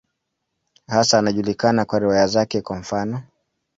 Hasa anajulikana kwa riwaya zake, kwa mfano.